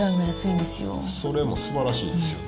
それもすばらしいですよね。